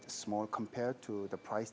manfaat manfaat tersebut agak kecil